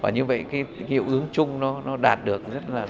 như vậy hiệu ứng chung đạt được